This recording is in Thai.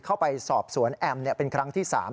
เข้าไปสอบสวนแอมเป็นครั้งที่๓